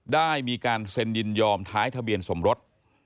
ได้มีการเซ็นยินยอมท้ายทะเบียนสมรส